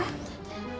hah ada apa